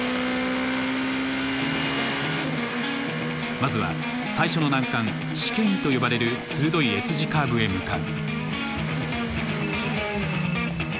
まずは最初の難関「シケイン」と呼ばれる鋭いＳ字カーブへ向かう。